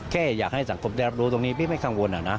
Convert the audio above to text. แค่อยากให้สังคมได้รับรู้ตรงนี้พี่ไม่กังวลอะนะ